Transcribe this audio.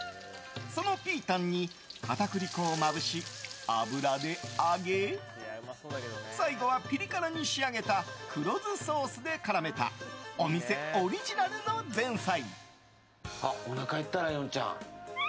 そのピータンに片栗粉をまぶし、油で揚げ最後はピリ辛に仕上げた黒酢ソースで絡めたお店オリジナルの前菜。